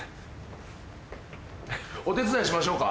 お手伝いしましょうか？